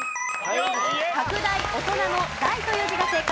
拡大大人の「大」という字が正解。